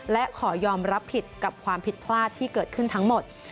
และขอยอมรับผิดกับความผิดพลาดที่เกิดขึ้นทั้งหมด